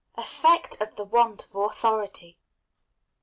_Effect of the Want of Authority.